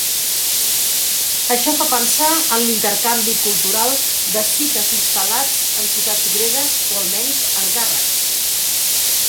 Això fa pensar en l'intercanvi cultural d'escites instal·lats en ciutats gregues, o almenys encàrrecs.